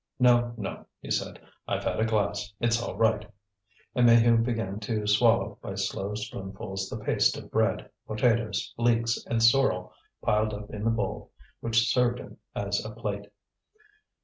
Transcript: "No, no," he said, "I've had a glass, it's all right." And Maheu began to swallow by slow spoonfuls the paste of bread, potatoes, leeks, and sorrel piled up in the bowl which served him as a plate.